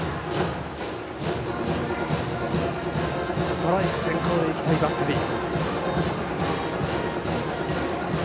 ストライク先行でいきたいバッテリー。